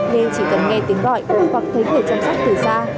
nên chỉ cần nghe tiếng gọi của hoặc thấy người chăm sóc từ xa